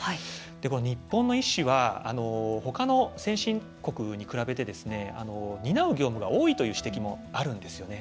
日本の医師は他の先進国に比べて担う業務が多いという指摘もあるんですよね。